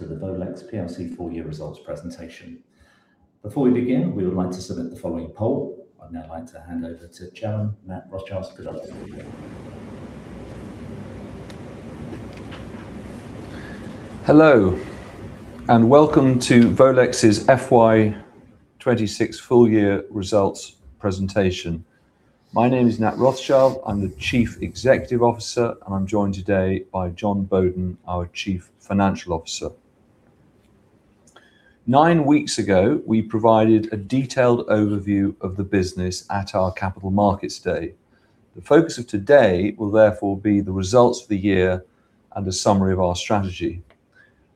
Welcome to the Volex plc full year results presentation. Before we begin, we would like to submit the following poll. I would now like to hand over to Chairman Nat Rothschild. Hello, and welcome to Volex's FY 2026 full year results presentation. My name is Nat Rothschild, I am the Chief Executive Officer, and I am joined today by Jon Boaden, our Chief Financial Officer. Nine weeks ago, we provided a detailed overview of the business at our Capital Markets Day. The focus of today will therefore be the results for the year and a summary of our strategy.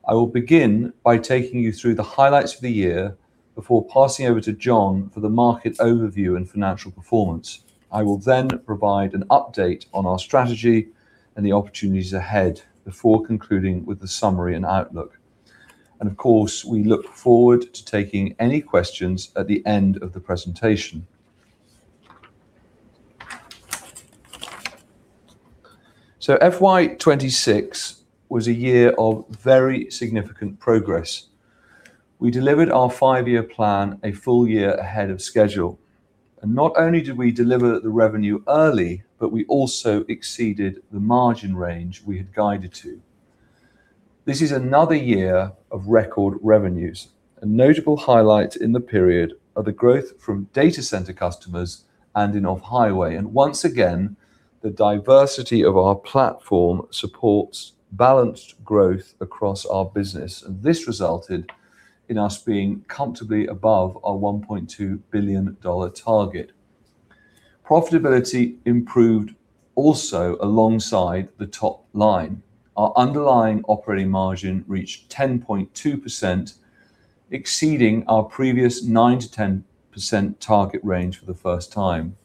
I will begin by taking you through the highlights of the year before passing over to Jon for the market overview and financial performance. I will then provide an update on our strategy and the opportunities ahead, before concluding with the summary and outlook. Of course, we look forward to taking any questions at the end of the presentation. FY 2026 was a year of very significant progress. We delivered our five-year plan a full year ahead of schedule. Not only did we deliver the revenue early, but we also exceeded the margin range we had guided to. This is another year of record revenues. A notable highlight in the period are the growth from data center customers and in Off-Highway. Once again, the diversity of our platform supports balanced growth across our business, and this resulted in us being comfortably above our $1.2 billion target. Profitability improved also alongside the top line. Our underlying operating margin reached 10.2%, exceeding our previous 9%-10% target range for the first time.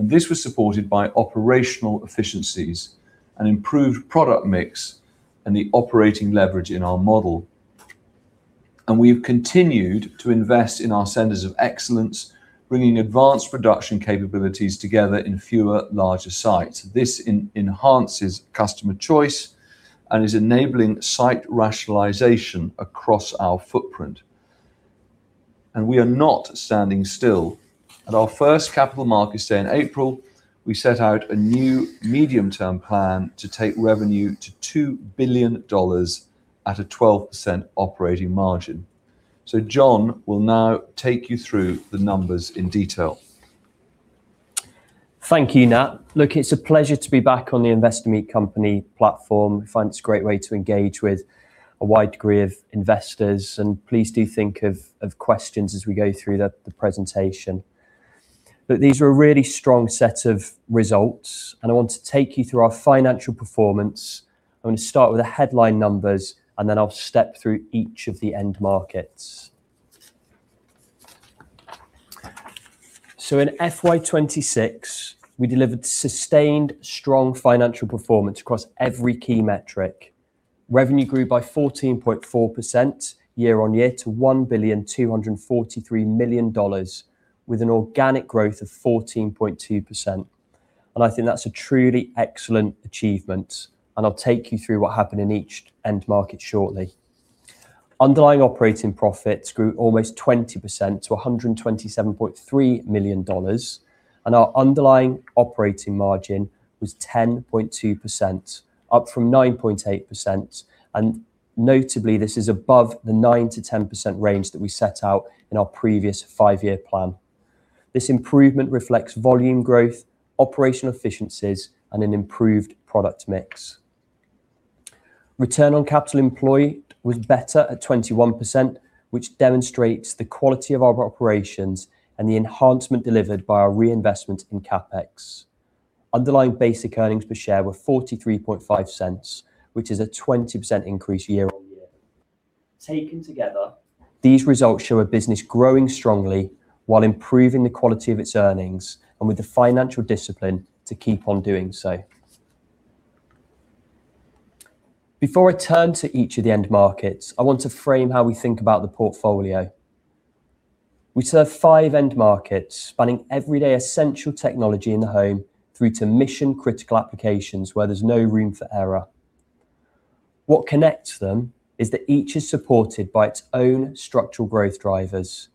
This was supported by operational efficiencies, an improved product mix, and the operating leverage in our model. We have continued to invest in our centers of excellence, bringing advanced production capabilities together in fewer, larger sites. This enhances customer choice and is enabling site rationalization across our footprint. We are not standing still. At our first Capital Markets Day in April, we set out a new medium-term plan to take revenue to $2 billion at a 12% operating margin. Jon will now take you through the numbers in detail. Thank you, Nat. Look, it is a pleasure to be back on the Investor Meet Company platform. I find it is a great way to engage with a wide degree of investors, and please do think of questions as we go through the presentation. Look, these were a really strong set of results. I want to take you through our financial performance. I want to start with the headline numbers, and then I will step through each of the end markets. In FY 2026, we delivered sustained strong financial performance across every key metric. Revenue grew by 14.4% year-on-year to $1.243 billion, with an organic growth of 14.2%. I think that is a truly excellent achievement. I will take you through what happened in each end market shortly. Underlying operating profits grew almost 20% to $127.3 million, and our underlying operating margin was 10.2%, up from 9.8%. Notably, this is above the 9%-10% range that we set out in our previous five-year plan. This improvement reflects volume growth, operational efficiencies, and an improved product mix. Return on capital employed was better at 21%, which demonstrates the quality of our operations and the enhancement delivered by our reinvestment in CapEx. Underlying basic earnings per share were $0.435, which is a 20% increase year-on-year. Taken together, these results show a business growing strongly while improving the quality of its earnings and with the financial discipline to keep on doing so. Before I turn to each of the end markets, I want to frame how we think about the portfolio. We serve five end markets, spanning everyday essential technology in the home through to mission critical applications where there is no room for error. What connects them is that each is supported by its own structural growth drivers,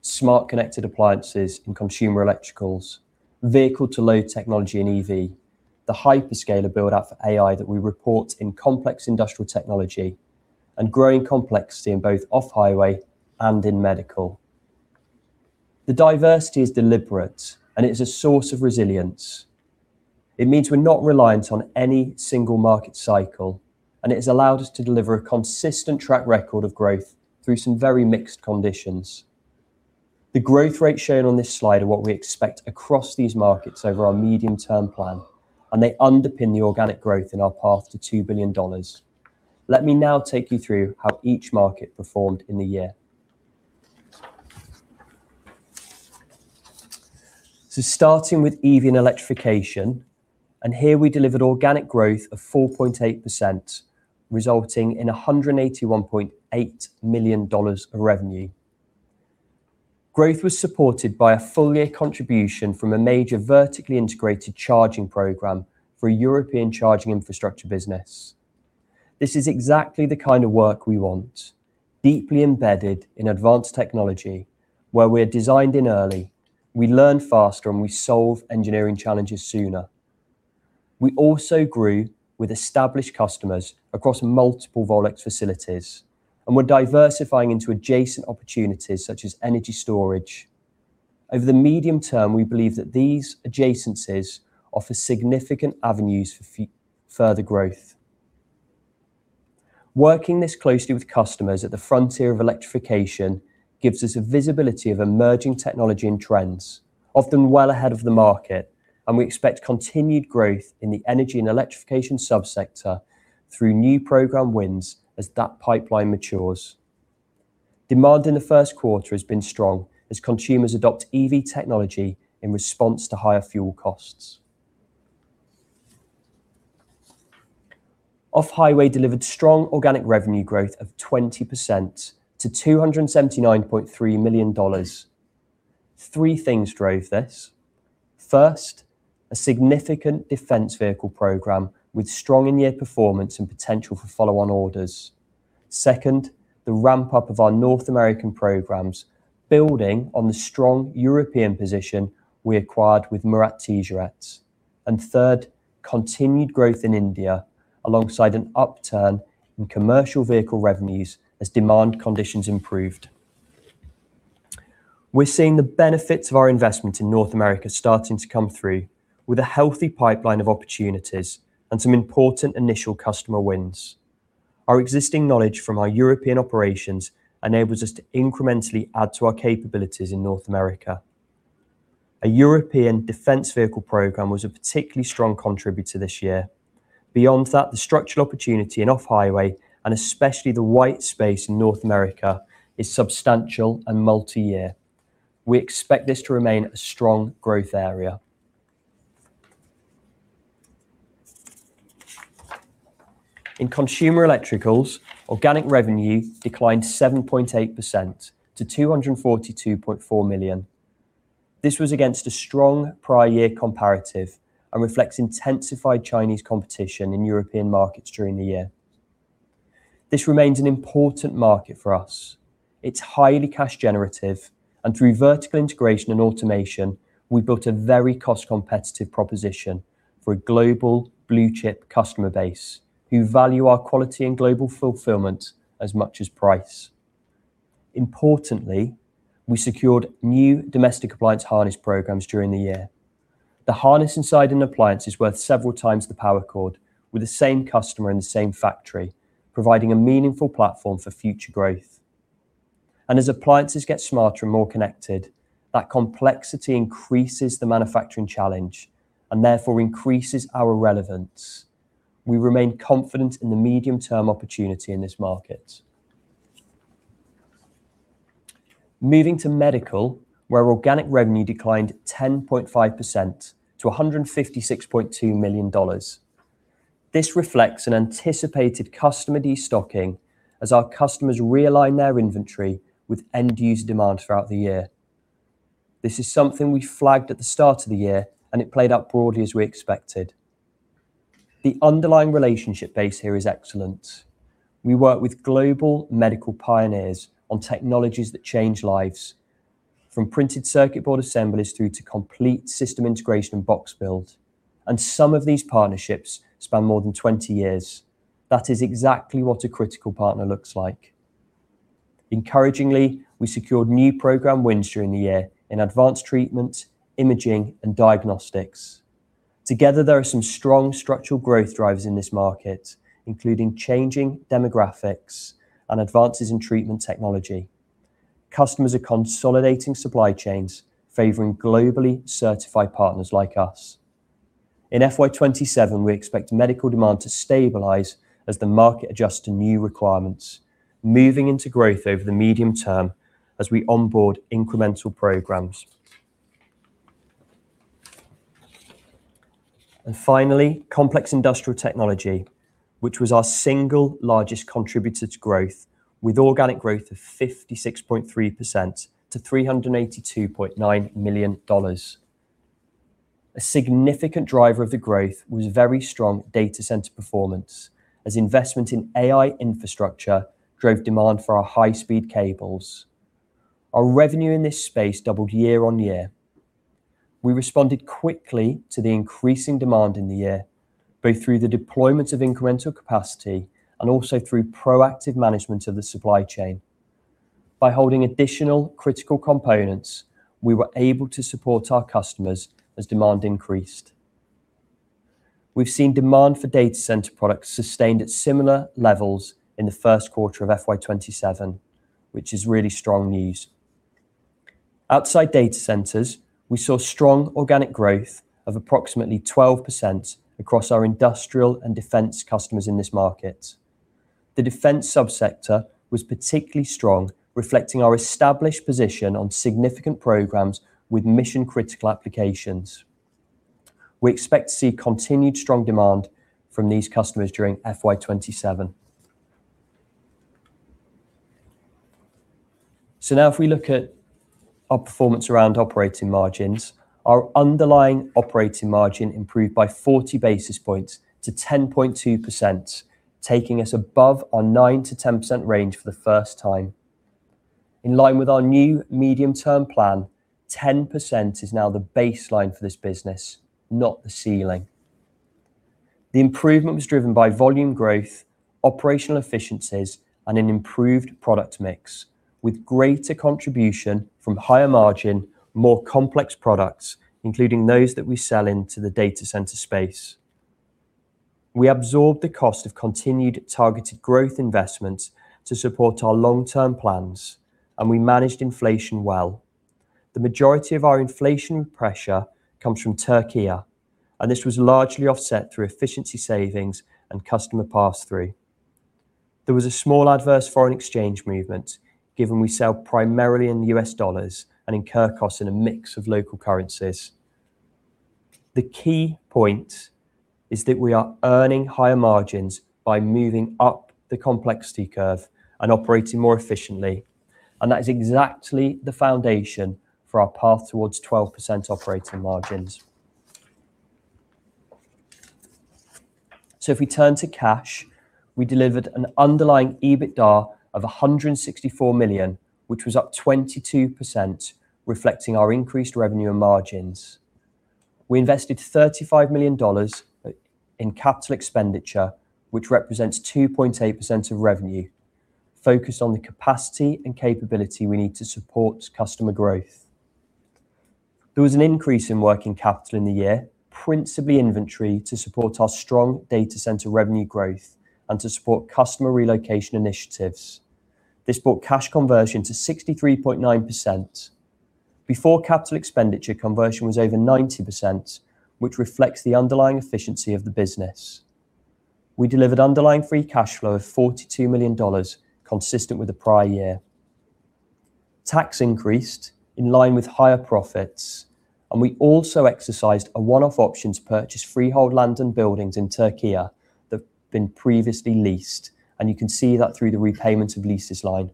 smart connected appliances and Consumer Electricals, vehicle to load technology and EV, the hyperscaler build-out for AI that we report in Complex Industrial Technology, and growing complexity in both Off-Highway and in Medical. The diversity is deliberate and it is a source of resilience. It means we are not reliant on any single market cycle, and it has allowed us to deliver a consistent track record of growth through some very mixed conditions. The growth rates shown on this slide are what we expect across these markets over our medium-term plan, and they underpin the organic growth in our path to $2 billion. Let me now take you through how each market performed in the year. Starting with EV and Electrification, and here we delivered organic growth of 4.8%, resulting in $181.8 million of revenue. Growth was supported by a full-year contribution from a major vertically integrated charging program for a European charging infrastructure business. This is exactly the kind of work we want, deeply embedded in advanced technology where we are designed in early, we learn faster, and we solve engineering challenges sooner. We also grew with established customers across multiple Volex facilities, and we are diversifying into adjacent opportunities such as energy storage. Over the medium term, we believe that these adjacencies offer significant avenues for further growth. Working this closely with customers at the frontier of electrification gives us a visibility of emerging technology and trends, often well ahead of the market, and we expect continued growth in the energy and Electrification sub-sector through new program wins as that pipeline matures. Demand in the first quarter has been strong as consumers adopt EV technology in response to higher fuel costs. Off-Highway delivered strong organic revenue growth of 20% to $279.3 million. Three things drove this. First, a significant defense vehicle program with strong in-year performance and potential for follow-on orders. Second, the ramp-up of our North American programs, building on the strong European position we acquired with Murat Ticaret. Third, continued growth in India alongside an upturn in commercial vehicle revenues as demand conditions improved. We are seeing the benefits of our investment in North America starting to come through with a healthy pipeline of opportunities and some important initial customer wins. Our existing knowledge from our European operations enables us to incrementally add to our capabilities in North America. A European defense vehicle program was a particularly strong contributor this year. Beyond that, the structural opportunity in Off-Highway, and especially the white space in North America, is substantial and multi-year. We expect this to remain a strong growth area. In Consumer Electricals, organic revenue declined 7.8% to $242.4 million. This was against a strong prior year comparative and reflects intensified Chinese competition in European markets during the year. This remains an important market for us. It is highly cash generative and through vertical integration and automation, we built a very cost-competitive proposition for a global blue-chip customer base who value our quality and global fulfillment as much as price. Importantly, we secured new domestic appliance harness programs during the year. The harness inside an appliance is worth several times the power cord with the same customer in the same factory, providing a meaningful platform for future growth. As appliances get smarter and more connected, that complexity increases the manufacturing challenge and therefore increases our relevance. We remain confident in the medium-term opportunity in this market. Moving to Medical, where organic revenue declined 10.5% to $156.2 million. This reflects an anticipated customer destocking as our customers realigned their inventory with end-user demand throughout the year. This is something we flagged at the start of the year, and it played out broadly as we expected. The underlying relationship base here is excellent. We work with global medical pioneers on technologies that change lives, from printed circuit board assemblies through to complete system integration and box build, and some of these partnerships span more than 20 years. That is exactly what a critical partner looks like. Encouragingly, we secured new program wins during the year in advanced treatment, imaging, and diagnostics. Together, there are some strong structural growth drivers in this market, including changing demographics and advances in treatment technology. Customers are consolidating supply chains, favoring globally certified partners like us. In FY 2027, we expect Medical demand to stabilize as the market adjusts to new requirements, moving into growth over the medium term as we onboard incremental programs. Finally, Complex Industrial Technology, which was our single largest contributor to growth with organic growth of 56.3% to $382.9 million. A significant driver of the growth was very strong data center performance as investment in AI infrastructure drove demand for our high-speed cables. Our revenue in this space doubled year-on-year. We responded quickly to the increasing demand in the year, both through the deployment of incremental capacity and also through proactive management of the supply chain. By holding additional critical components, we were able to support our customers as demand increased. We have seen demand for data center products sustained at similar levels in the first quarter of FY 2027, which is really strong news. Outside data centers, we saw strong organic growth of approximately 12% across our industrial and defense customers in this market. The defense sub-sector was particularly strong, reflecting our established position on significant programs with mission-critical applications. We expect to see continued strong demand from these customers during FY 2027. Now, if we look at our performance around operating margins, our underlying operating margin improved by 40 basis points to 10.2%, taking us above our 9%-10% range for the first time. In line with our new medium-term plan, 10% is now the baseline for this business, not the ceiling. The improvement was driven by volume growth, operational efficiencies, and an improved product mix, with greater contribution from higher margin, more complex products, including those that we sell into the data center space. We absorbed the cost of continued targeted growth investments to support our long-term plans, and we managed inflation well. The majority of our inflation pressure comes from Türkiye, and this was largely offset through efficiency savings and customer pass-through. There was a small adverse foreign exchange movement given we sell primarily in U.S. dollars and incur costs in a mix of local currencies. The key point is that we are earning higher margins by moving up the complexity curve and operating more efficiently, and that is exactly the foundation for our path towards 12% operating margins. If we turn to cash, we delivered an underlying EBITDA of $164 million, which was up 22%, reflecting our increased revenue and margins. We invested $35 million in capital expenditure, which represents 2.8% of revenue, focused on the capacity and capability we need to support customer growth. There was an increase in working capital in the year, principally inventory, to support our strong data center revenue growth and to support customer relocation initiatives. This brought cash conversion to 63.9%. Before capital expenditure, conversion was over 90%, which reflects the underlying efficiency of the business. We delivered underlying free cash flow of $42 million, consistent with the prior year. Tax increased in line with higher profits. We also exercised a one-off option to purchase freehold land and buildings in Türkiye that have been previously leased, and you can see that through the repayments of leases line.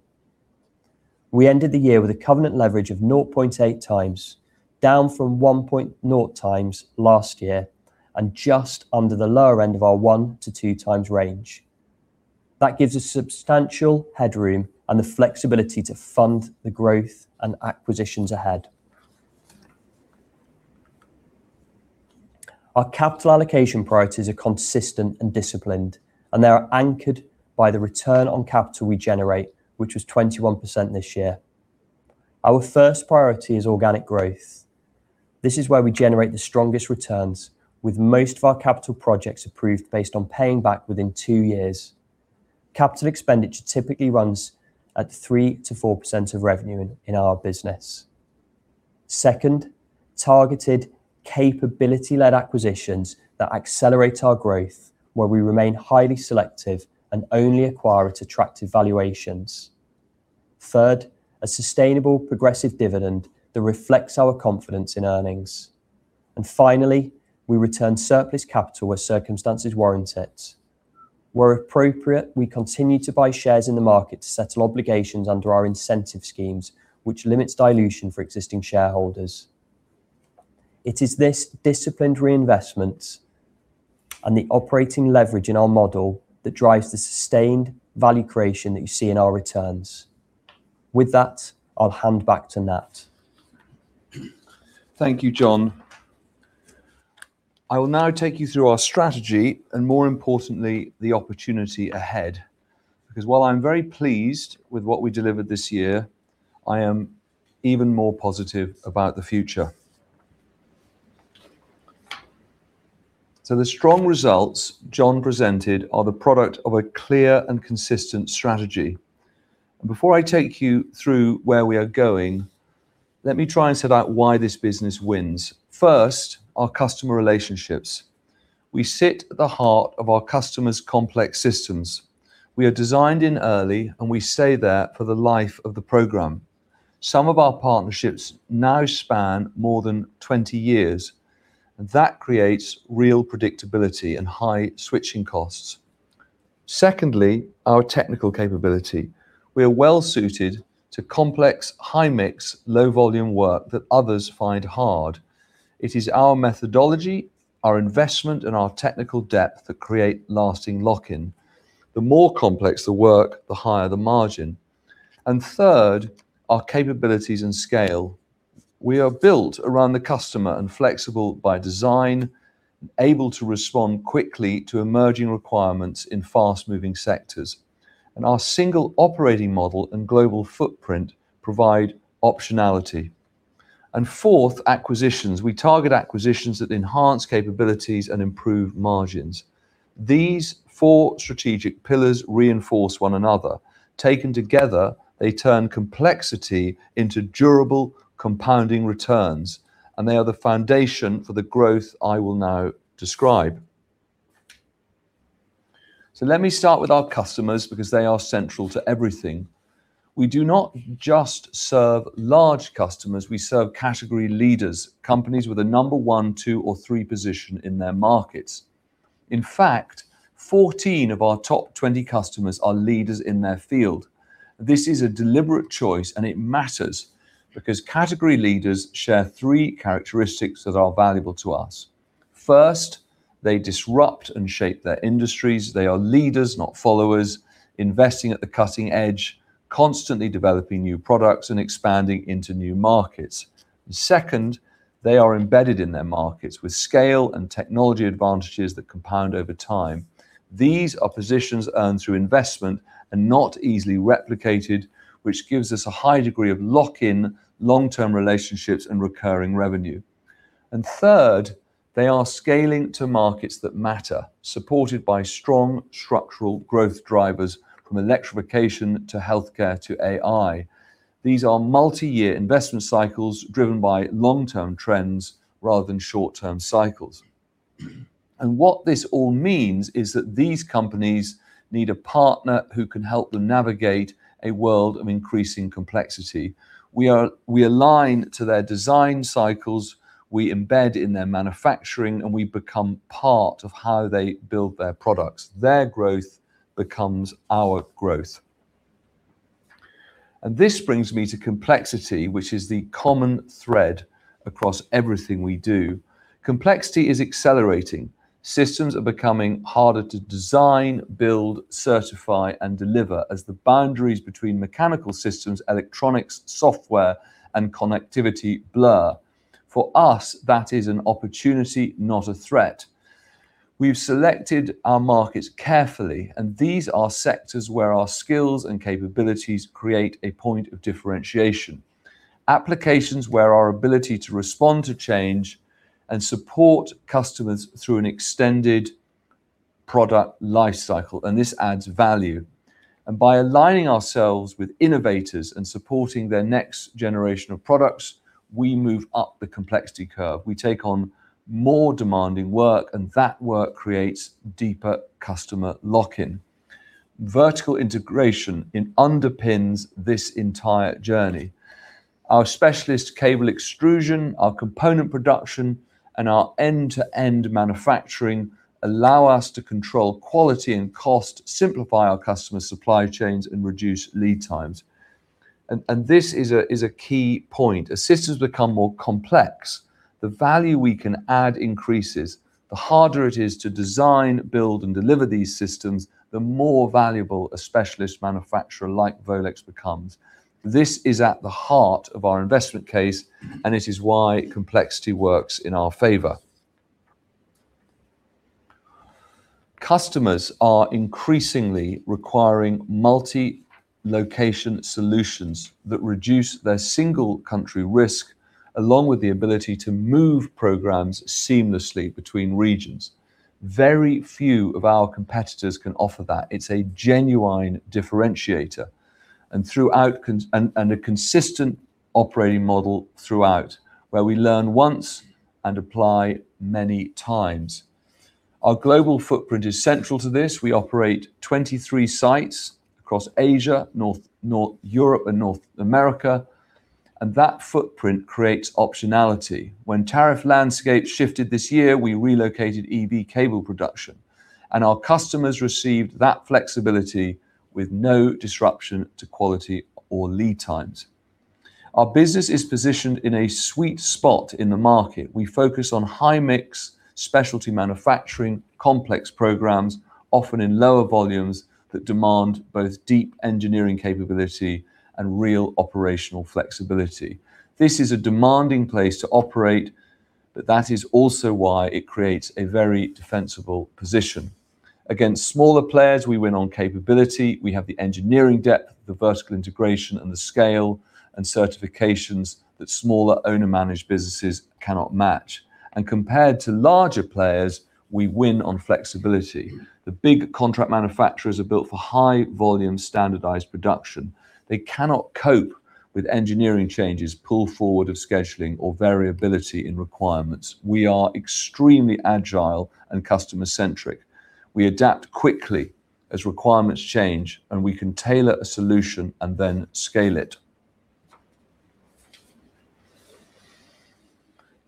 We ended the year with a covenant leverage of 0.8x, down from 1.0x last year, and just under the lower end of our 1x-2x times range. That gives us substantial headroom and the flexibility to fund the growth and acquisitions ahead. Our capital allocation priorities are consistent and disciplined, and they are anchored by the return on capital we generate, which was 21% this year. Our first priority is organic growth. This is where we generate the strongest returns, with most of our capital projects approved based on paying back within two years. Capital expenditure typically runs at 3%-4% of revenue in our business. Second, targeted capability-led acquisitions that accelerate our growth where we remain highly selective and only acquire at attractive valuations. Third, a sustainable progressive dividend that reflects our confidence in earnings. Finally, we return surplus capital where circumstances warrant it. Where appropriate, we continue to buy shares in the market to settle obligations under our incentive schemes, which limits dilution for existing shareholders. It is this disciplined reinvestment and the operating leverage in our model that drives the sustained value creation that you see in our returns. With that, I'll hand back to Nat. Thank you, Jon. I will now take you through our strategy and, more importantly, the opportunity ahead. While I'm very pleased with what we delivered this year, I am even more positive about the future. The strong results Jon presented are the product of a clear and consistent strategy. Before I take you through where we are going, let me try and set out why this business wins. First, our customer relationships. We sit at the heart of our customers' complex systems. We are designed in early, and we stay there for the life of the program. Some of our partnerships now span more than 20 years. That creates real predictability and high switching costs. Secondly, our technical capability. We are well-suited to complex, high mix, low volume work that others find hard. It is our methodology, our investment, and our technical depth that create lasting lock-in. The more complex the work, the higher the margin. Third, our capabilities and scale. We are built around the customer and flexible by design, able to respond quickly to emerging requirements in fast-moving sectors, and our single operating model and global footprint provide optionality. Fourth, acquisitions. We target acquisitions that enhance capabilities and improve margins. These four strategic pillars reinforce one another. Taken together, they turn complexity into durable compounding returns, and they are the foundation for the growth I will now describe. Let me start with our customers because they are central to everything. We do not just serve large customers, we serve category leaders, companies with a number one, two, or three position in their markets. In fact, 14 of our top 20 customers are leaders in their field. This is a deliberate choice, and it matters because category leaders share three characteristics that are valuable to us. First, they disrupt and shape their industries. They are leaders, not followers, investing at the cutting edge, constantly developing new products, and expanding into new markets. Second, they are embedded in their markets with scale and technology advantages that compound over time. These are positions earned through investment and not easily replicated, which gives us a high degree of lock-in, long-term relationships, and recurring revenue. Third, they are scaling to markets that matter, supported by strong structural growth drivers from electrification to healthcare to AI. These are multi-year investment cycles driven by long-term trends rather than short-term cycles. What this all means is that these companies need a partner who can help them navigate a world of increasing complexity. We align to their design cycles, we embed in their manufacturing, and we become part of how they build their products. Their growth becomes our growth. This brings me to complexity, which is the common thread across everything we do. Complexity is accelerating. Systems are becoming harder to design, build, certify, and deliver as the boundaries between mechanical systems, electronics, software, and connectivity blur. For us, that is an opportunity, not a threat. We've selected our markets carefully, and these are sectors where our skills and capabilities create a point of differentiation, applications where our ability to respond to change and support customers through an extended product life cycle, and this adds value. By aligning ourselves with innovators and supporting their next generation of products, we move up the complexity curve. We take on more demanding work, and that work creates deeper customer lock-in. Vertical integration, it underpins this entire journey. Our specialist cable extrusion, our component production, and our end-to-end manufacturing allow us to control quality and cost, simplify our customer supply chains, and reduce lead times. This is a key point. As systems become more complex, the value we can add increases. The harder it is to design, build, and deliver these systems, the more valuable a specialist manufacturer like Volex becomes. This is at the heart of our investment case, and it is why complexity works in our favor. Customers are increasingly requiring multi-location solutions that reduce their single-country risk, along with the ability to move programs seamlessly between regions. Very few of our competitors can offer that. It's a genuine differentiator and a consistent operating model throughout, where we learn once and apply many times. Our global footprint is central to this. We operate 23 sites across Asia, Europe, and North America. That footprint creates optionality. When tariff landscapes shifted this year, we relocated EV cable production, and our customers received that flexibility with no disruption to quality or lead times. Our business is positioned in a sweet spot in the market. We focus on high-mix specialty manufacturing, complex programs, often in lower volumes that demand both deep engineering capability and real operational flexibility. This is a demanding place to operate, but that is also why it creates a very defensible position. Against smaller players, we win on capability. We have the engineering depth, the vertical integration, and the scale and certifications that smaller owner-managed businesses cannot match. Compared to larger players, we win on flexibility. The big contract manufacturers are built for high-volume, standardized production. They cannot cope with engineering changes, pull forward of scheduling, or variability in requirements. We are extremely agile and customer-centric. We adapt quickly as requirements change, and we can tailor a solution and then scale it.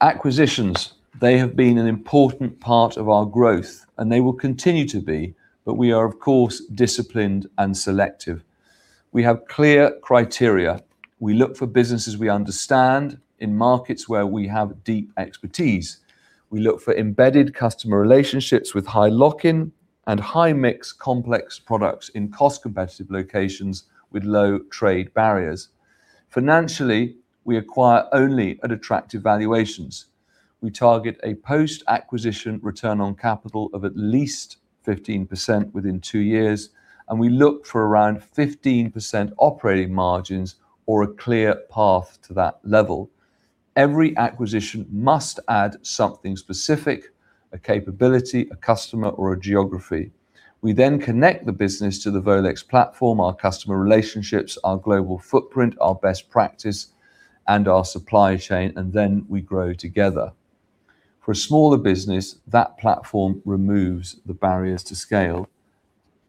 Acquisitions. They have been an important part of our growth, and they will continue to be, but we are, of course, disciplined and selective. We have clear criteria. We look for businesses we understand in markets where we have deep expertise. We look for embedded customer relationships with high lock-in and high-mix complex products in cost-competitive locations with low trade barriers. Financially, we acquire only at attractive valuations. We target a post-acquisition return on capital of at least 15% within two years, and we look for around 15% operating margins or a clear path to that level. Every acquisition must add something specific, a capability, a customer, or a geography. We then connect the business to the Volex platform, our customer relationships, our global footprint, our best practice, and our supply chain, and then we grow together. For a smaller business, that platform removes the barriers to scale.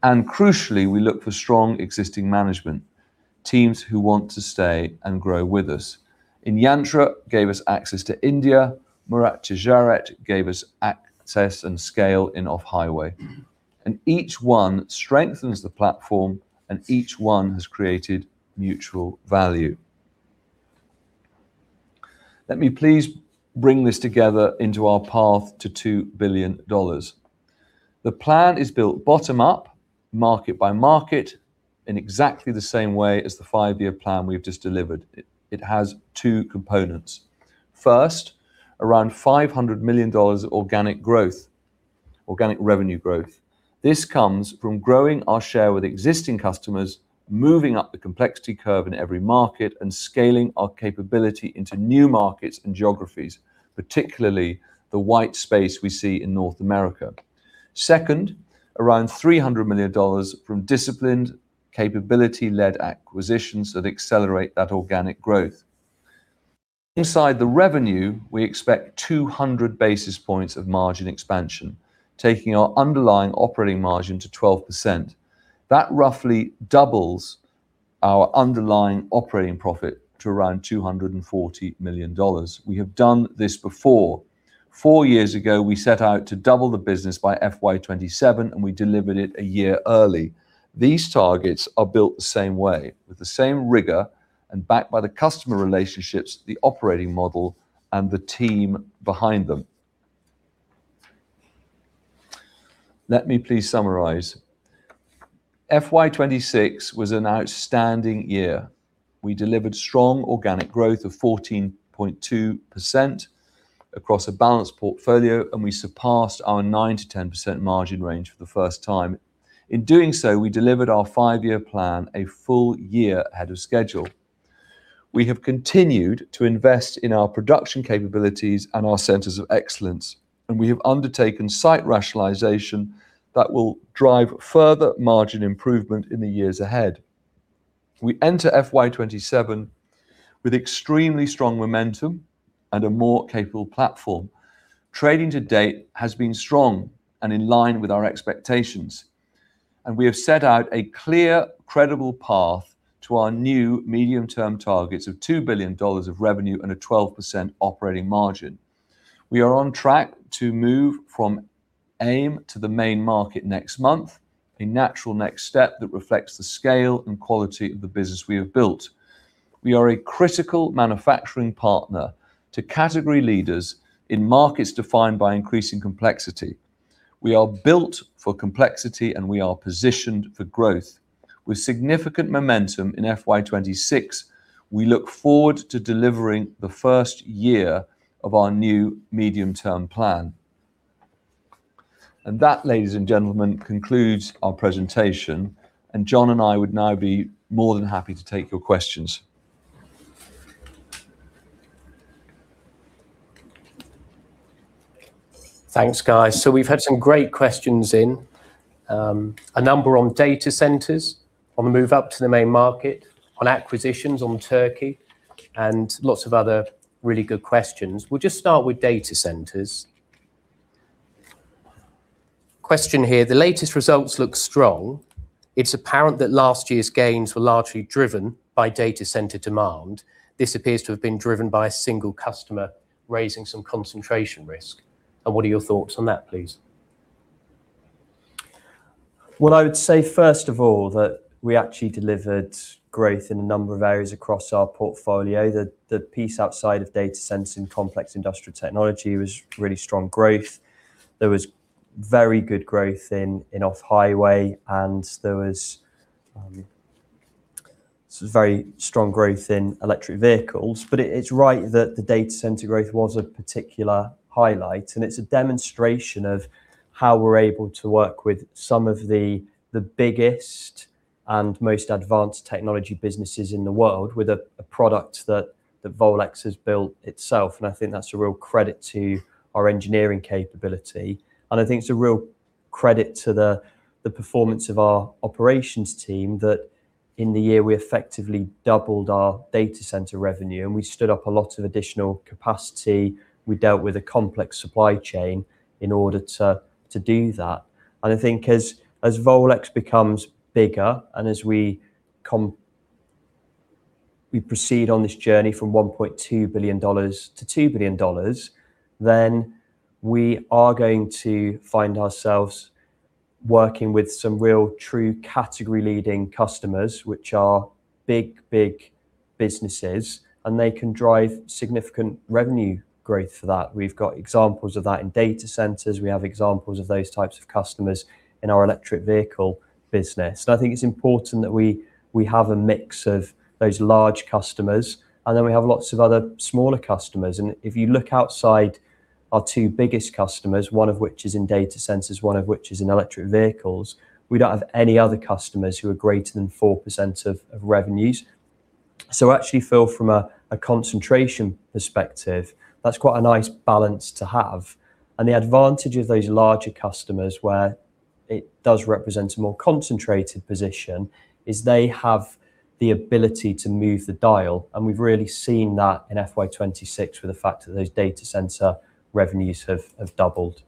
Crucially, we look for strong existing management, teams who want to stay and grow with us. inYantra gave us access to India. Murat Ticaret gave us access and scale in Off-Highway. Each one strengthens the platform, and each one has created mutual value. Let me please bring this together into our path to $2 billion. The plan is built bottom-up, market by market, in exactly the same way as the five-year plan we've just delivered. It has two components. First, around $500 million of organic growth, organic revenue growth. This comes from growing our share with existing customers, moving up the complexity curve in every market, and scaling our capability into new markets and geographies, particularly the white space we see in North America. Second, around $300 million from disciplined capability-led acquisitions that accelerate that organic growth. Inside the revenue, we expect 200 basis points of margin expansion, taking our underlying operating margin to 12%. That roughly doubles our underlying operating profit to around $240 million. We have done this before. Four years ago, we set out to double the business by FY 2027, and we delivered it a year early. These targets are built the same way, with the same rigor and backed by the customer relationships, the operating model, and the team behind them. Let me please summarize. FY 2026 was an outstanding year. We delivered strong organic growth of 14.2% across a balanced portfolio. We surpassed our 9%-10% margin range for the first time. In doing so, we delivered our five-year plan a full year ahead of schedule. We have continued to invest in our production capabilities and our centers of excellence, and we have undertaken site rationalization that will drive further margin improvement in the years ahead. We enter FY 2027 with extremely strong momentum and a more capable platform. Trading to date has been strong and in line with our expectations. We have set out a clear, credible path to our new medium-term targets of $2 billion of revenue and a 12% operating margin. We are on track to move from AIM to the Main market next month, a natural next step that reflects the scale and quality of the business we have built. We are a critical manufacturing partner to category leaders in markets defined by increasing complexity. We are built for complexity, and we are positioned for growth. With significant momentum in FY 2026, we look forward to delivering the first year of our new medium-term plan. That, ladies and gentlemen, concludes our presentation, and Jon and I would now be more than happy to take your questions. Thanks, guys. We've had some great questions in. A number on data centers, on the move up to the Main market, on acquisitions, on Türkiye, and lots of other really good questions. We'll just start with data centers. Question here, the latest results look strong. It's apparent that last year's gains were largely driven by data center demand. This appears to have been driven by a single customer, raising some concentration risk. What are your thoughts on that, please? I would say, first of all, that we actually delivered growth in a number of areas across our portfolio. The piece outside of data centers in Complex Industrial Technology was really strong growth. There was very good growth in Off-Highway, so there was very strong growth in electric vehicles. It's right that the data center growth was a particular highlight. It's a demonstration of how we're able to work with some of the biggest and most advanced technology businesses in the world with a product that Volex has built itself. I think that's a real credit to our engineering capability. I think it's a real credit to the performance of our operations team that in the year we effectively doubled our data center revenue, we stood up a lot of additional capacity. We dealt with a complex supply chain in order to do that. I think as Volex becomes bigger and as we proceed on this journey from $1.2 billion to $2 billion, then we are going to find ourselves working with some real true category-leading customers, which are big, big businesses, and they can drive significant revenue growth for that. We've got examples of that in data centers. We have examples of those types of customers in our electric vehicle business. I think it's important that we have a mix of those large customers. Then, we have lots of other smaller customers. If you look outside our two biggest customers, one of which is in data centers, one of which is in electric vehicles, we don't have any other customers who are greater than 4% of revenues. Actually, from a concentration perspective, that's quite a nice balance to have. The advantage of those larger customers, where it does represent a more concentrated position, is they have the ability to move the dial. We've really seen that in FY 2026 with the fact that those data center revenues have doubled.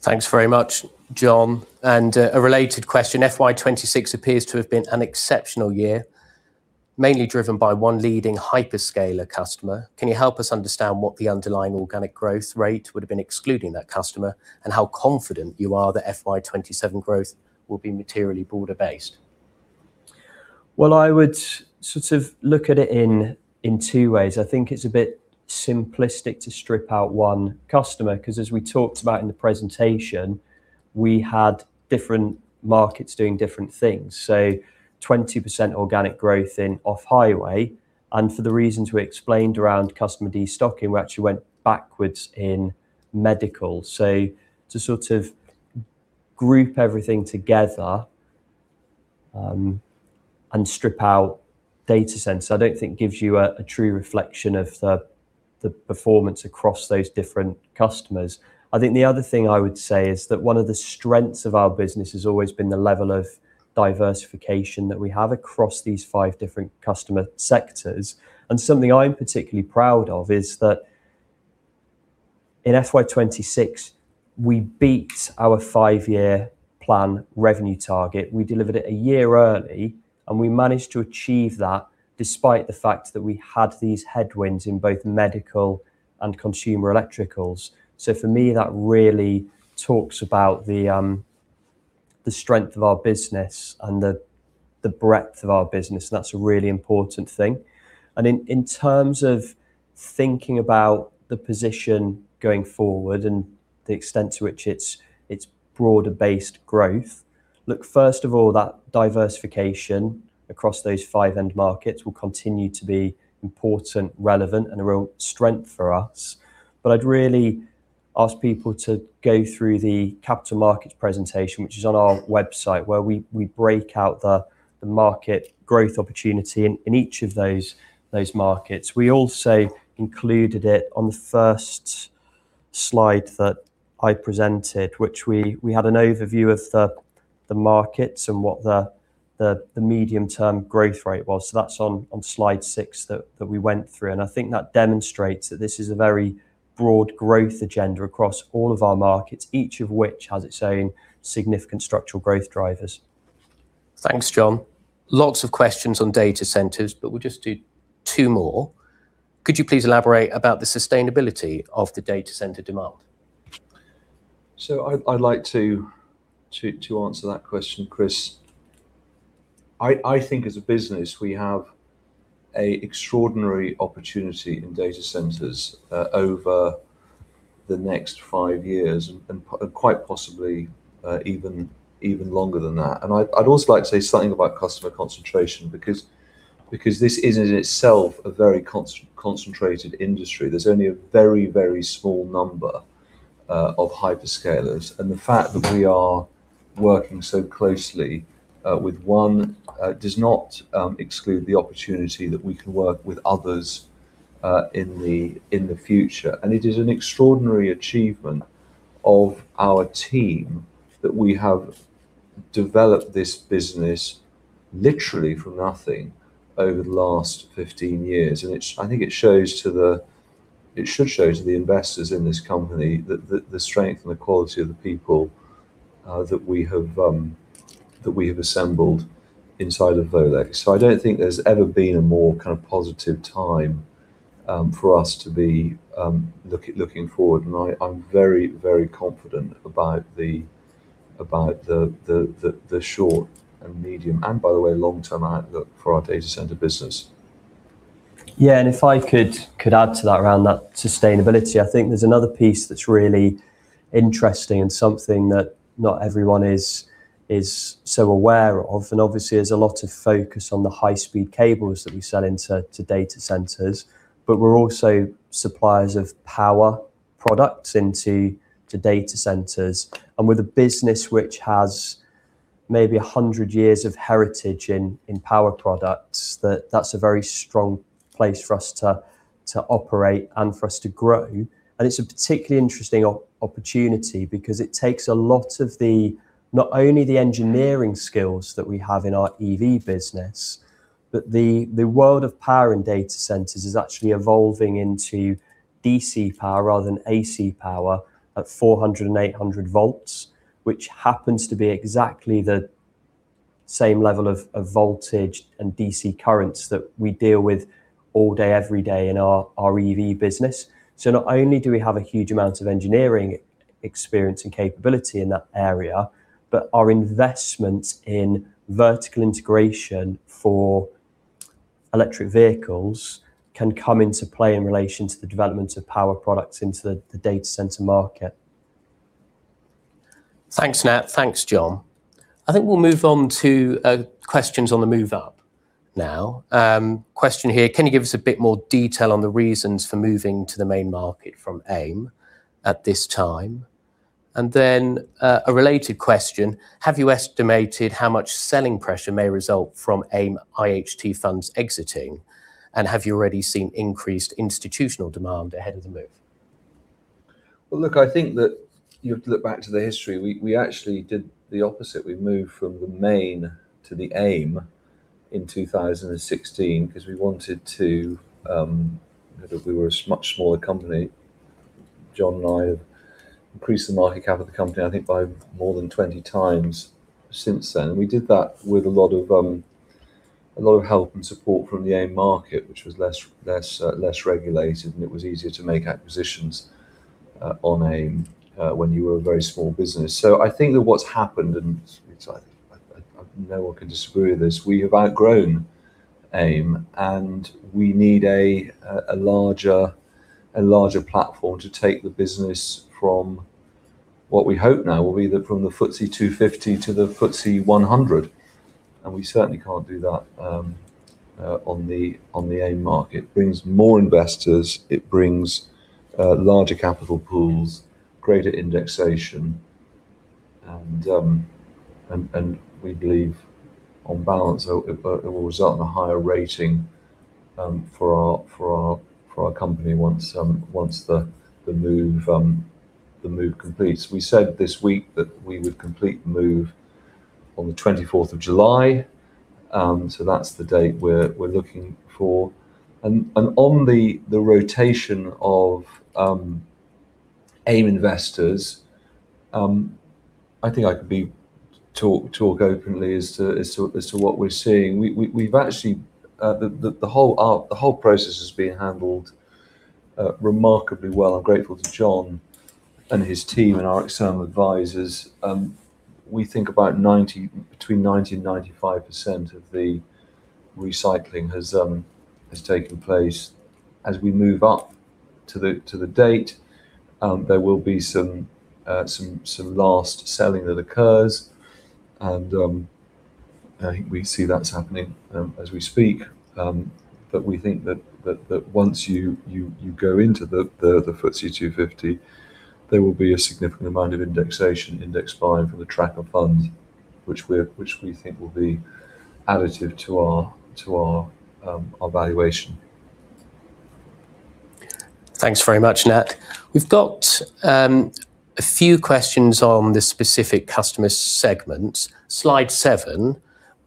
Thanks very much, Jon. A related question, FY 2026 appears to have been an exceptional year, mainly driven by one leading hyperscaler customer. Can you help us understand what the underlying organic growth rate would've been excluding that customer, and how confident you are that FY 2027 growth will be materially broader based? Well, I would sort of look at it in two ways. I think it's a bit simplistic to strip out one customer, because as we talked about in the presentation, we had different markets doing different things. 20% organic growth in Off-Highway, and for the reasons we explained around customer destocking, we actually went backwards in Medical. To group everything together and strip out data centers, I don't think gives you a true reflection of the performance across those different customers. I think the other thing I would say is that one of the strengths of our business has always been the level of diversification that we have across these five different customer sectors. Something I'm particularly proud of is that in FY 2026, we beat our five-year plan revenue target. We delivered it a year early, and we managed to achieve that despite the fact that we had these headwinds in both Medical and Consumer Electricals. For me, that really talks about the strength of our business and the breadth of our business, and that's a really important thing. In terms of thinking about the position going forward and the extent to which it's broader based growth, look, first of all, that diversification across those five end markets will continue to be important, relevant, and a real strength for us. I'd really ask people to go through the Capital Markets presentation, which is on our website, where we break out the market growth opportunity in each of those markets. We also included it on the first slide that I presented, which we had an overview of the markets and what the medium-term growth rate was. That's on slide six that we went through. I think that demonstrates that this is a very broad growth agenda across all of our markets, each of which has its own significant structural growth drivers. Thanks, Jon. Lots of questions on data centers, but we'll just do two more. Could you please elaborate about the sustainability of the data center demand? I'd like to answer that question, Chris. I think as a business, we have a extraordinary opportunity in data centers over the next five years, and quite possibly, even longer than that. I'd also like to say something about customer concentration, because this is in itself a very concentrated industry. There's only a very, very small number of hyperscalers, and the fact that we are working so closely with one does not exclude the opportunity that we can work with others in the future. It is an extraordinary achievement of our team that we have developed this business literally from nothing over the last 15 years. I think it should show to the investors in this company the strength and the quality of the people that we have assembled inside of Volex. I don't think there's ever been a more positive time for us to be looking forward, and I'm very, very confident about the short and medium, and by the way, long-term outlook for our data center business. Yeah, if I could add to that around that sustainability, I think there's another piece that's really interesting and something that not everyone is so aware of. Obviously, there's a lot of focus on the high-speed cables that we sell into data centers, but we're also suppliers of power products into data centers. With a business which has maybe 100 years of heritage in power products, that's a very strong place for us to operate and for us to grow. It's a particularly interesting opportunity because it takes a lot of not only the engineering skills that we have in our EV business, but the world of power and data centers is actually evolving into DC power rather than AC power at 400 V and 800 V, which happens to be exactly the same level of voltage and DC currents that we deal with all day, every day in our EV business. Not only do we have a huge amount of engineering experience and capability in that area, but our investment in vertical integration for electric vehicles can come into play in relation to the development of power products into the data center market. Thanks, Nat. Thanks, Jon. I think we'll move on to questions on the move up now. Question here, can you give us a bit more detail on the reasons for moving to the Main market from AIM at this time? Then, a related question, have you estimated how much selling pressure may result from AIM IHT funds exiting? Have you already seen increased institutional demand ahead of the move? Well, look, I think that you have to look back to the history. We actually did the opposite. We moved from the Main to the AIM in 2016 because we wanted to, because were a much smaller company. Jon and I have increased the market cap of the company, I think by more than 20 times since then. We did that with a lot of help and support from the AIM market, which was less regulated. It was easier to make acquisitions on AIM when you were a very small business. I think that what's happened, no one can disagree with this, we have outgrown AIM, and we need a larger platform to take the business from what we hope now will be from the FTSE 250 to the FTSE 100. We certainly can't do that on the AIM market. Brings more investors, it brings larger capital pools, greater indexation. We believe on balance; it will result in a higher rating for our company once the move completes. We said this week that we would complete the move on the 24th of July, so that's the date we're looking for. On the rotation of AIM investors, I think I can talk openly as to what we're seeing. The whole process has been handled remarkably well. I'm grateful to Jon and his team and our external advisors. We think between 90% and 95% of the recycling has taken place. As we move up to the date, there will be some last selling that occurs. I think we see that happening as we speak. We think that once you go into the FTSE 250, there will be a significant amount of indexation, index buying from the tracker funds, which we think will be additive to our valuation. Thanks very much, Nat. We've got a few questions on the specific customer segment. Slide seven,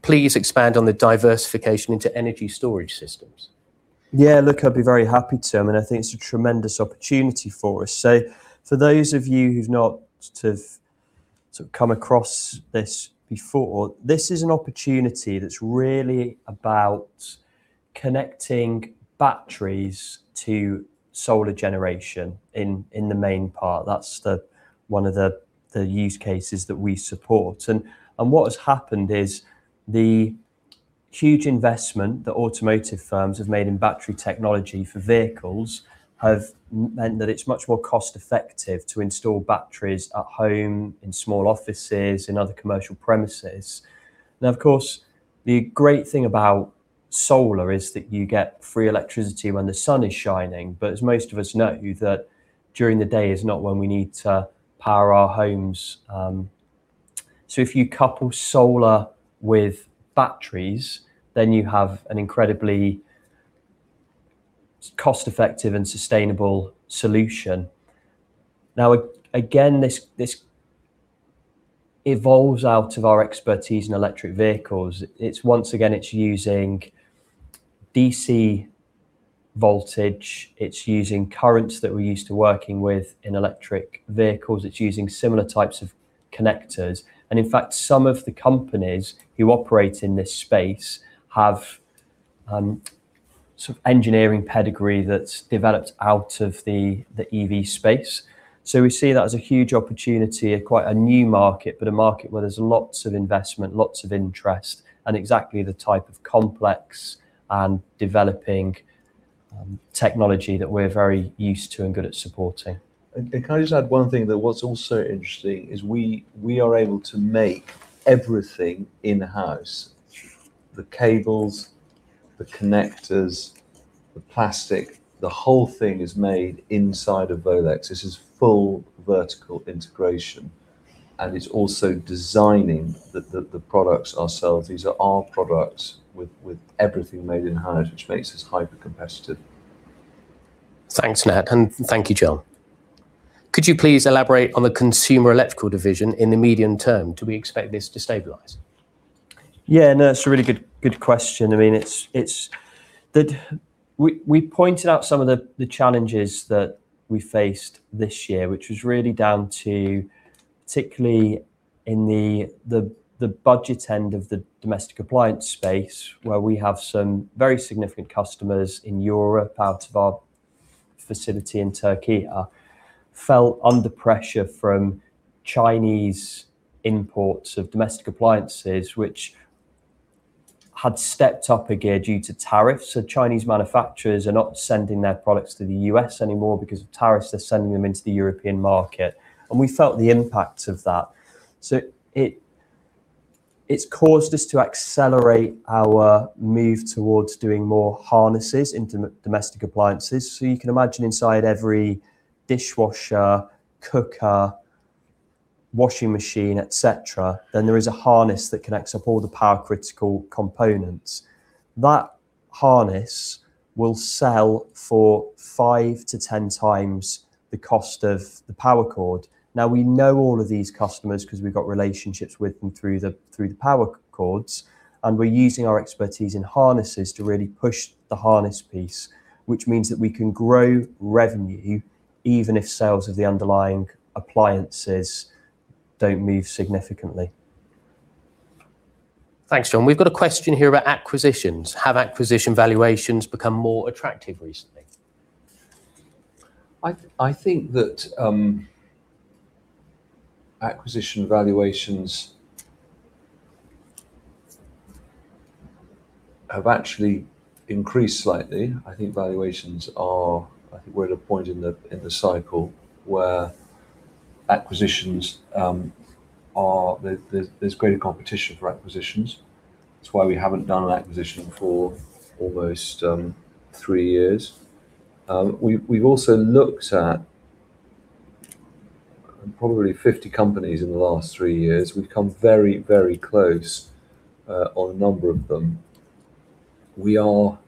please expand on the diversification into energy storage systems. Yeah, look, I'd be very happy to. I think it's a tremendous opportunity for us. For those of you who've not come across this before, this is an opportunity that's really about connecting batteries to solar generation in the main part. That's one of the use cases that we support. What has happened is the huge investment that automotive firms have made in battery technology for vehicles have meant that it's much more cost effective to install batteries at home, in small offices, in other commercial premises. Of course, the great thing about solar is that you get free electricity when the sun is shining. But as most of us know, that during the day is not when we need to power our homes. So, if you couple solar with batteries, then you have an incredibly cost-effective and sustainable solution. Again, this evolves out of our expertise in electric vehicles. Once again, it's using DC voltage. It's using currents that we're used to working with in electric vehicles. It's using similar types of connectors. In fact, some of the companies who operate in this space have engineering pedigree that's developed out of the EV space. We see that as a huge opportunity and quite a new market, but a market where there's lots of investment, lots of interest, and exactly the type of complex and developing technology that we're very used to and good at supporting. Can I just add one thing? What's also interesting is we are able to make everything in-house. The cables, the connectors, the plastic, the whole thing is made inside of Volex. This is full vertical integration, and it's also designing the products ourselves. These are our products with everything made in-house, which makes us hyper-competitive. Thanks, Nat, and thank you, Jon. Could you please elaborate on the Consumer Electricals division in the medium term? Do we expect this to stabilize? Yeah, no, it's a really good question. We pointed out some of the challenges that we faced this year, which was really down to, particularly in the budget end of the domestic appliance space, where we have some very significant customers in Europe, out of our facility in Türkiye, felt under pressure from Chinese imports of domestic appliances, which had stepped up a gear due to tariffs. Chinese manufacturers are not sending their products to the U.S. anymore because of tariffs. They're sending them into the European market, and we felt the impact of that. It's caused us to accelerate our move towards doing more harnesses into domestic appliances. You can imagine inside every dishwasher, cooker, washing machine, et cetera, then there is a harness that connects up all the power critical components. That harness will sell for five to 10 times the cost of the power cord. Now, we know all of these customers because we've got relationships with them through the power cords, and we're using our expertise in harnesses to really push the harness piece, which means that we can grow revenue even if sales of the underlying appliances don't move significantly. Thanks, Jon. We've got a question here about acquisitions. Have acquisition valuations become more attractive recently? I think that acquisition valuations have actually increased slightly. I think valuations are, I think we're at a point in the cycle where there's greater competition for acquisitions. It's why we haven't done an acquisition for almost three years. We've also looked at probably 50 companies in the last three years. We've come very, very close on a number of them. We are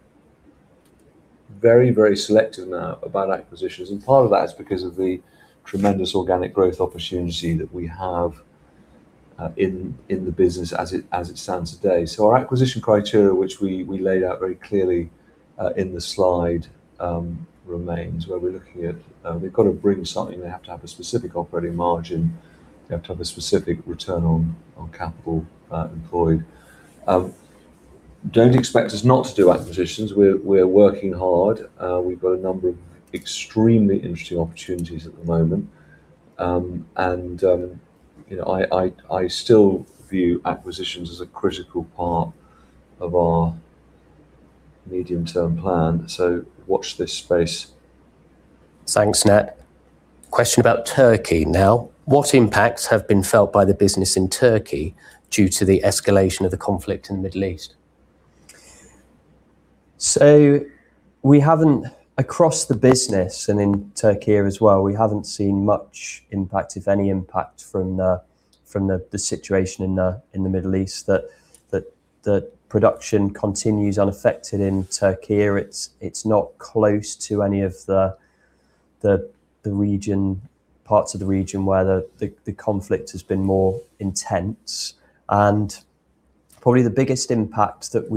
very, very selective now about acquisitions, and part of that is because of the tremendous organic growth opportunity that we have in the business as it stands today. Our acquisition criteria, which we laid out very clearly in the slide, remains, where we're looking at they've got to bring something, they have to have a specific operating margin. They have to have a specific return on capital employed. Don't expect us not to do acquisitions. We're working hard. We've got a number of extremely interesting opportunities at the moment. I still view acquisitions as a critical part of our medium-term plan, so watch this space. Thanks, Nat. Question about Türkiye now. What impacts have been felt by the business in Türkiye due to the escalation of the conflict in the Middle East? Across the business and in Türkiye as well, we haven't seen much impact, if any impact, from the situation in the Middle East, that production continues unaffected in Türkiye. It's not close to any of the parts of the region where the conflict has been more intense, and probably the biggest impact that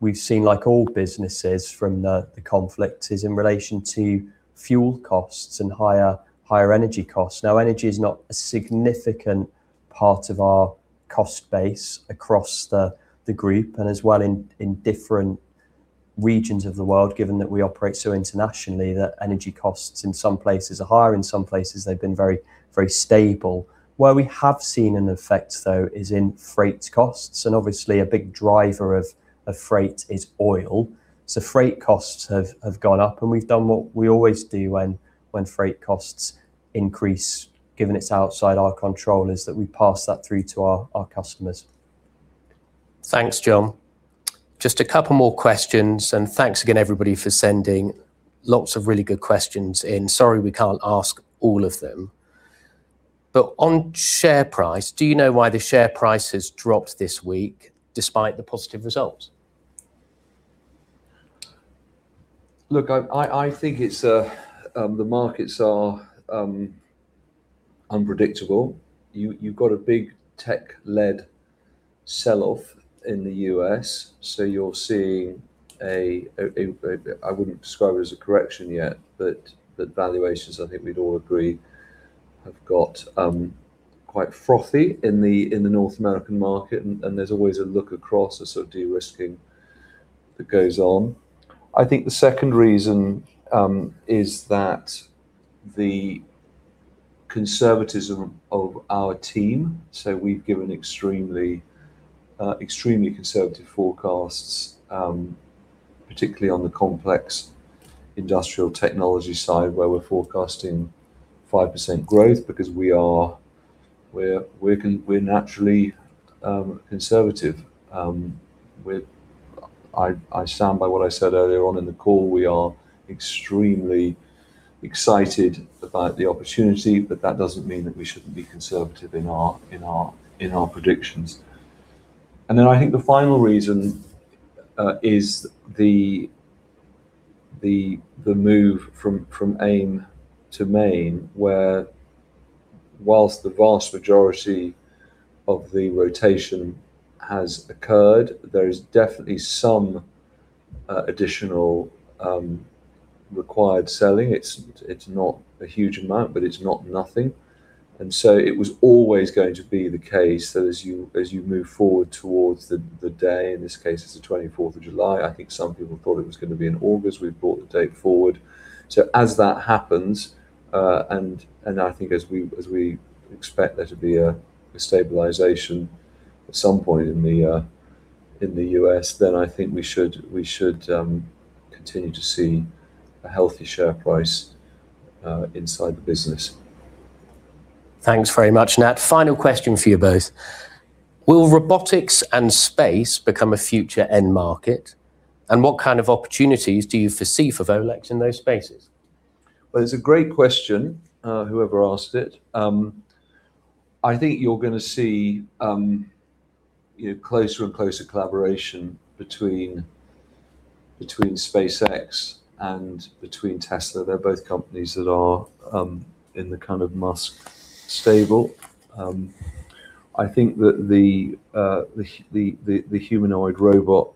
we've seen, like all businesses from the conflict, is in relation to fuel costs and higher energy costs. Energy is not a significant part of our cost base across the group and as well in different regions of the world, given that we operate so internationally, that energy costs in some places are higher. In some places, they've been very, very stable. Where we have seen an effect, though, is in freight costs, and obviously a big driver of freight is oil. Freight costs have gone up, and we've done what we always do when freight costs increase, given it's outside our control, is that we pass that through to our customers. Thanks, Jon. Just a couple more questions, and thanks again, everybody, for sending lots of really good questions in. Sorry we can't ask all of them. On share price, do you know why the share price has dropped this week despite the positive results? I think the markets are unpredictable. You've got a big tech-led sell-off in the U.S., so you're seeing, I wouldn't describe it as a correction yet, but valuations, I think we'd all agree, have got quite frothy in the North American market, and there's always a look across, a sort of de-risking that goes on. I think the second reason is that the conservatism of our team, so we've given extremely conservative forecasts, particularly on the Complex Industrial Technology side, where we're forecasting 5% growth because we're naturally conservative. I stand by what I said earlier on in the call. We are extremely excited about the opportunity, but that doesn't mean that we shouldn't be conservative in our predictions. I think the final reason is the move from AIM to Main, where whilst the vast majority of the rotation has occurred, there is definitely some additional required selling. It's not a huge amount, but it's not nothing. It was always going to be the case that as you move forward towards the day, in this case, it's the 24th of July. I think some people thought it was going to be in August. We've brought the date forward. As that happens, and I think as we expect there to be a stabilization at some point in the U.S., then I think we should continue to see a healthy share price inside the business. Thanks very much, Nat. Final question for you both. Will robotics and space become a future end market? What kind of opportunities do you foresee for Volex in those spaces? Well, it's a great question, whoever asked it. I think you're going to see closer and closer collaboration between SpaceX and between Tesla. They're both companies that are in the kind of Musk stable. I think that the humanoid robot,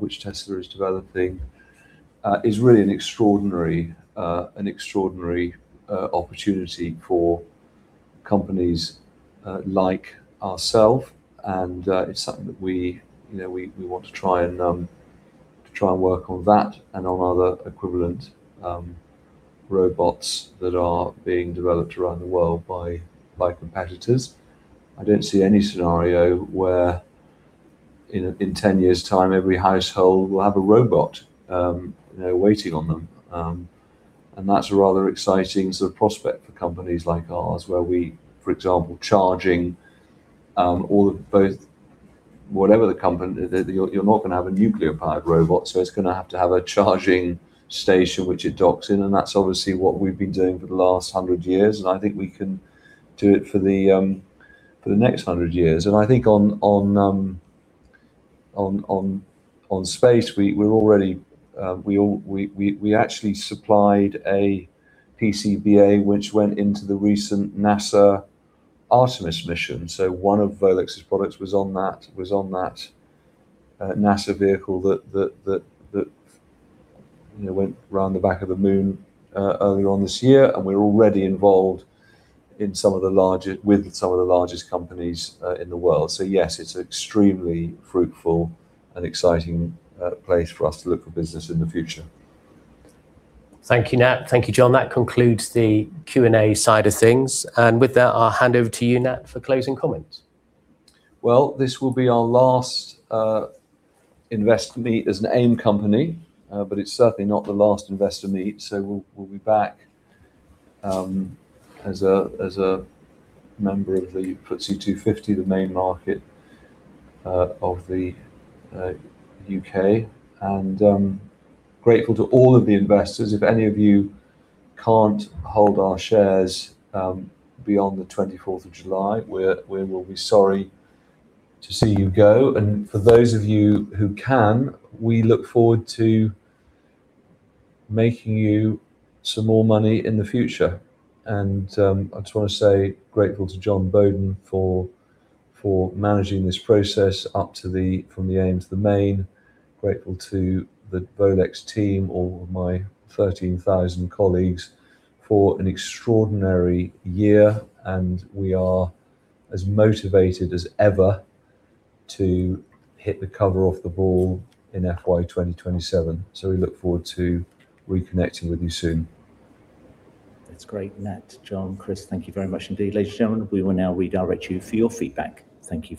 which Tesla is developing, is really an extraordinary opportunity for companies like ourselves, and it's something that we want to try and work on that and on other equivalent robots that are being developed around the world by competitors. I don't see any scenario where in 10 years' time, every household will have a robot waiting on them. That's a rather exciting prospect for companies like ours, where we, for example, charging all of both, whatever the company, you're not going to have a nuclear-powered robot, so it's going to have to have a charging station which it docks in, and that's obviously what we've been doing for the last 100 years, and I think we can do it for the next 100 years. I think on space, we actually supplied a PCBA which went into the recent NASA Artemis mission. One of Volex's products was on that NASA vehicle that went around the back of the moon earlier on this year, and we're already involved with some of the largest companies in the world. Yes, it's extremely fruitful and exciting place for us to look for business in the future. Thank you, Nat. Thank you, Jon. That concludes the Q&A side of things. With that, I'll hand over to you, Nat, for closing comments. Well, this will be our last investor meet as an AIM company, but it's certainly not the last investor meet, so we'll be back as a member of the FTSE 250, the Main market of the U.K. Grateful to all of the investors. If any of you can't hold our shares beyond the 24th of July, we will be sorry to see you go. For those of you who can, we look forward to making you some more money in the future. I just want to say grateful to Jon Boaden for managing this process up from the AIM to the Main. Grateful to the Volex team, all of my 13,000 colleagues for an extraordinary year, and we are as motivated as ever to hit the cover off the ball in FY 2027. We look forward to reconnecting with you soon. That's great, Nat, Jon, Chris, thank you very much indeed. Ladies and gentlemen, we will now redirect you for your feedback. Thank you.